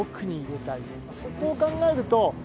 そこを考えると。